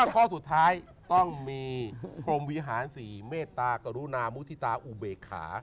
ข้อสุดท้ายต้องมีพรมวิหาร๔เมตตากรุณามุฒิตาอุเบกขา